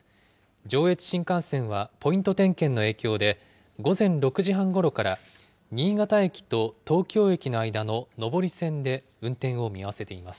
上越新幹線はポイント点検の影響で、午前６時半ごろから、新潟駅と東京駅の間の上り線で運転を見合わせています。